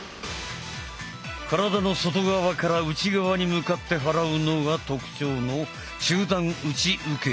体の外側から内側に向かって払うのが特徴の中段内受け。